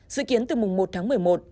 dự kiến từ mùng một tháng một mươi một